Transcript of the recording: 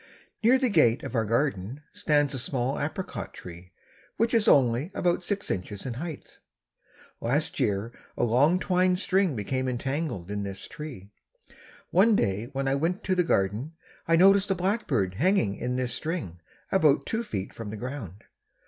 Near the gate of our garden stands a small apricot tree which is only about six feet in height. Last year a long twine string became entangled in this tree. One day when I went to the garden I noticed a blackbird hanging in this string, about two feet from the ground.